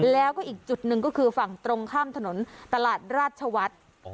แล้วก็อีกจุดหนึ่งก็คือฝั่งตรงข้ามถนนตลาดราชวัฒน์